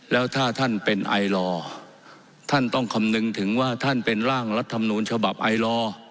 แล้วถ้าท่านเป็นไอลอร์ท่านต้องคำนึงถึงว่าท่านเป็นร่างรัฐมนูญฉบับไอลอร์